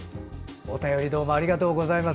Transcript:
お便りどうもありがとうございます。